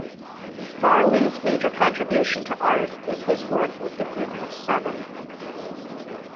Varley's major contribution to art is his work with the Group of Seven.